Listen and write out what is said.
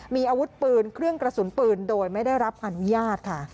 มีอาวุธปืนเครื่องกระสุนปืนโดยไม่ได้รับอนุญาตค่ะ